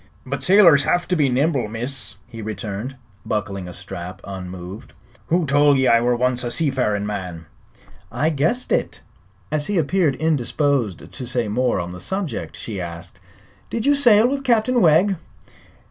"But sailors have to be nimble, miss," he returned, buckling a strap unmoved. "Who tol' ye I were once a sea farin' man?" "I guessed it." As he appeared indisposed to say more on the subject she asked: "Did you sail with Captain Wegg?"